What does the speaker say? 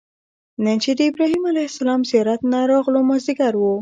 نن چې د ابراهیم علیه السلام زیارت نه راغلو مازیګر و.